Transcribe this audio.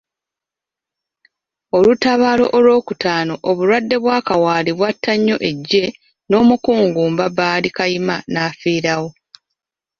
Olutabaalo olw'okutaano obulwadde bwa kawaali bwatta nnyo eggye n'Omukungu Mbabaali Kayima n'afiirayo.